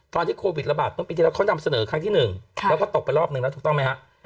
โควิดระบาดเมื่อปีที่แล้วเขานำเสนอครั้งที่๑แล้วก็ตกไปรอบหนึ่งแล้วถูกต้องไหมฮะ